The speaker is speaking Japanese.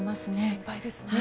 心配ですね。